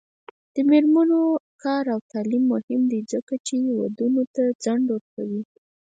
د میرمنو کار او تعلیم مهم دی ځکه چې ودونو ته ځنډ ورکوي.